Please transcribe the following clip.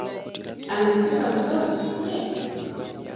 anamtupa mtoto